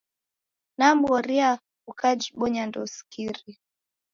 Namghoria ukajibonya ndousikire.